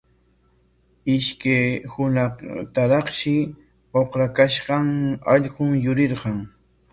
Ishkay hunaqtaraqshi uqrakashqan allqun yurirqan.